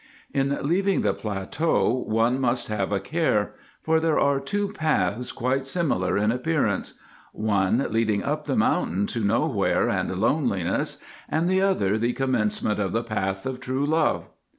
In leaving the plateau one must have a care, for there are two paths quite similar in appearance—one leading up the mountain to nowhere and loneliness, and the other the commencement of the Path of True Love.